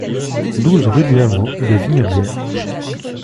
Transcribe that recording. douze rue du Hameau de Vignaubière